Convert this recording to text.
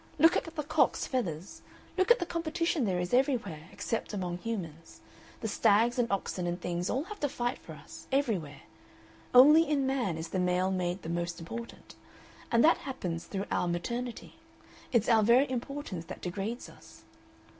Look at the cock's feathers, look at the competition there is everywhere, except among humans. The stags and oxen and things all have to fight for us, everywhere. Only in man is the male made the most important. And that happens through our maternity; it's our very importance that degrades us.